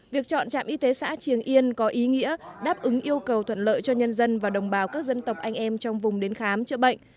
việc chọn trạm y tế xã triềng yên có ý nghĩa đáp ứng yêu cầu thuận lợi cho nhân dân và đồng bào các dân tộc anh em trong vùng đến khám chữa bệnh